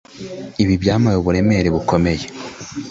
ibi byampaye uburemere bukomeye